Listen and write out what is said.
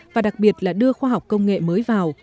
và đặc biệt là đưa khoa học công nghệ mới vào